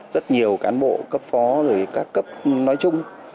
rất nhiều cán bộ cấp phó rồi các cấp nói chung